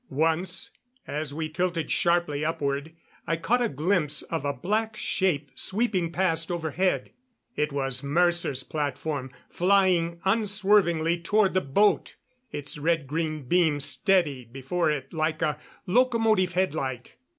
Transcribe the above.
Once, as we tilted sharply upward, I caught a glimpse of a black shape sweeping past, overhead. It was Mercer's platform, flying unswervingly toward the boat, its red green beam steady before it like a locomotive headlight.